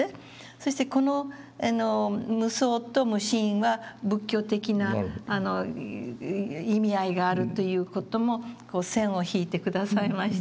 そしてこの「無相」と「無心」は仏教的な意味合いがあるという事も線を引いて下さいましてね。